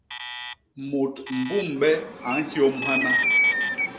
Mut mbu mbe a nhyôm hana!